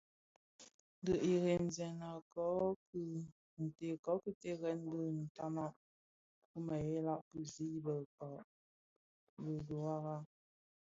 Di iremzëna kō ki terrèn bi ntanag wu mëlèya bi zi bëkpa dhi dhuwara.